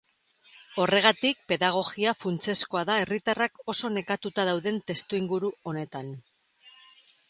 Horregatik, pedagogia funtsezkoa da herritarrak oso nekatuta dauden testuinguru honetan.